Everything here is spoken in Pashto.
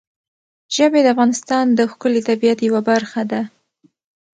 ژبې د افغانستان د ښکلي طبیعت یوه برخه ده.